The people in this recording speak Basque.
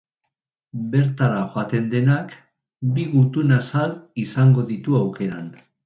Bertara joaten denak bi gutunazal izango ditu aukeran.